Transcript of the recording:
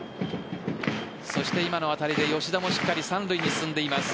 そして今の当たりで吉田もしっかり三塁に進んでいます。